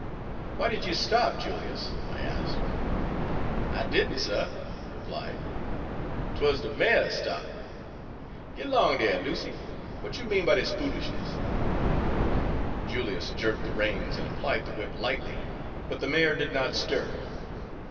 "Why did you stop, Julius?" I asked. "I didn', suh," he replied. "'Twuz Page 201 de mare stop'. G' 'long dere, Lucy! W'at you mean by dis foolis'ness?" Julius jerked the reins and applied the whip lightly, but the mare did not stir.